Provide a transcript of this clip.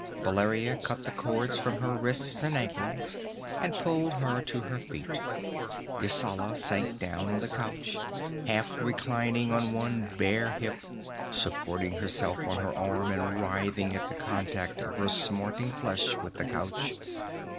Valeria cut the cords from her wrists and ankles, and pulled her to her feet. Yasala sank down on the couch, half reclining on one bare hip, supporting herself on her arm, and writhing at the contact of her smarting flesh with the couch.